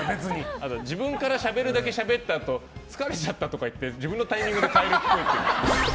あと、自分からしゃべるだけしゃべったあと疲れちゃったとか言って自分のタイミングで帰るっぽい。